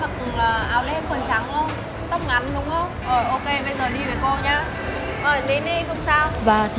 ờ ok bây giờ đi với cô nhá